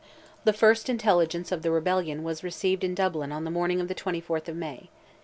The first intelligence of the rebellion was received in Dublin on the morning of the 24th of May.